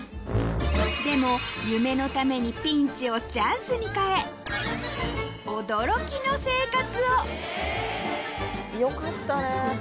でも夢のためにピンチをチャンスに変えよかったね。